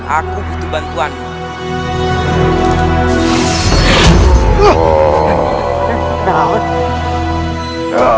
aku butuh bantuannya